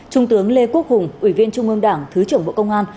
trung tướng lê quốc hùng ủy viên trung ương đảng thứ trưởng bộ công an